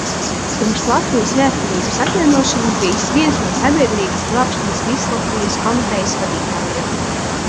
"Pirms Latvijas neatkarības atjaunošanas bijis viens no "Sabiedrības glābšanas Vislatvijas komitejas" vadītājiem."